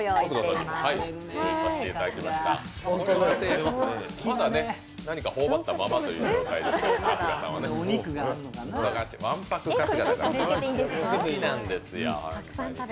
まだ何か頬張ったままという状態ですね、春日さんはね。